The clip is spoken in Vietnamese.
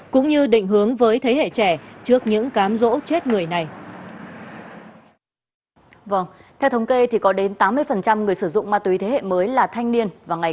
cũng như định hướng với thế hệ trẻ trước những cám rỗ chết người này